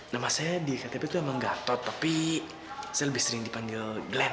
nama saya di ktp itu emang gatot tapi saya lebih sering dipanggil glenn